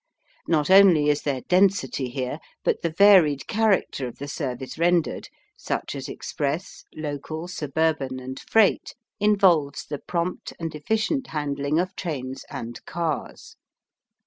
Not only is there density here but the varied character of the service rendered, such as express, local, suburban, and freight, involves the prompt and efficient handling of trains and cars.